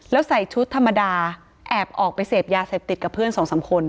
แล้วใส่ชุดธรรมดาแอบออกไปเสพยาเสพติดกับเพื่อนสองสามคน